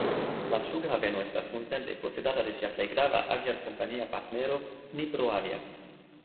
La flughaveno estas nuntempe posedata de sia plej grava aviadkompania partnero Dniproavia.